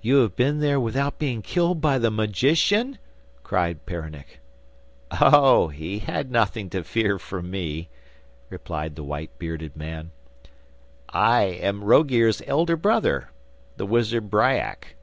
'You have been there without being killed by the magician?' cried Peronnik. 'Oh! he had nothing to fear from me,' replied the white bearded man, 'I am Rogear's elder brother, the wizard Bryak.